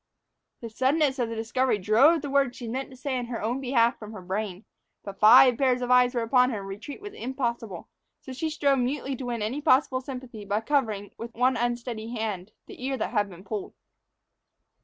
The suddenness of the discovery drove the words she had meant to say in her own behalf from her brain. But five pairs of eyes were upon her and retreat was impossible; so she strove mutely to win any possible sympathy by covering, with one unsteady hand, the ear that had been pulled.